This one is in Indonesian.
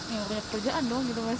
ya punya pekerjaan doang gitu mas